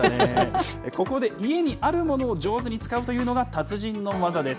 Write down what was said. ここで家にあるものを上手に使うというのが、達人の技です。